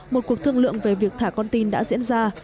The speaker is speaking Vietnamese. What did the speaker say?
một cuộc thương lượng về việc thả con tin đã diễn ra